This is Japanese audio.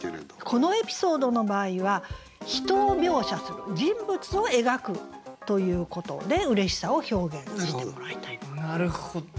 このエピソードの場合は人を描写する人物を描くということで嬉しさを表現してもらいたい。